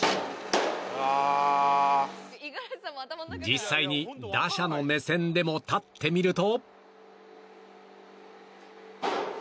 実際に打者の目線でも立ってみると。